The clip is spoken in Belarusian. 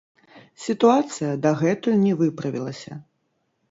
Сітуацыя дагэтуль не выправілася.